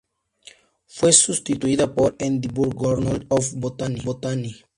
Fue sustituida por "Edinburgh Journal of Botany.